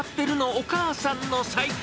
お母さんの財布。